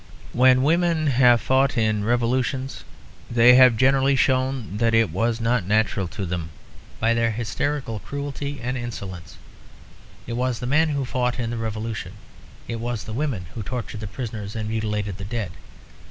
When women have fought in revolutions they have generally shown that it was not natural to them, by their hysterical cruelty and insolence; it was the men who fought in the Revolution; it was the women who tortured the prisoners and mutilated the dead.